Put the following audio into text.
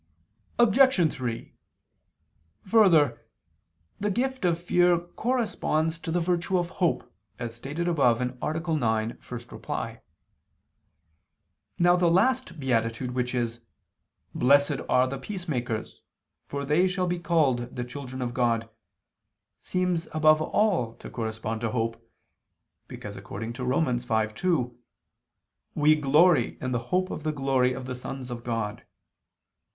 Obj. 3: Further, the gift of fear corresponds to the virtue of hope, as stated above (A. 9, ad 1). Now the last beatitude which is, "Blessed are the peacemakers, for they shall be called the children of God," seems above all to correspond to hope, because according to Rom. 5:2, "we ... glory in the hope of the glory of the sons of God."